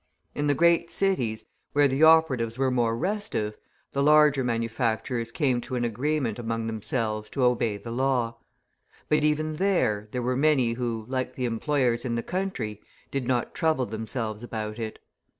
In the great cities, where the operatives were more restive, the larger manufacturers came to an agreement among themselves to obey the law; but even there, there were many who, like the employers in the country, did not trouble themselves about it.